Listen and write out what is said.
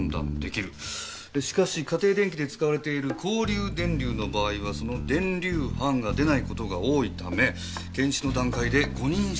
しかし家庭電気で使われている交流電流の場合はその電流班が出ないことが多いため検視の段階で誤認したものと思われる」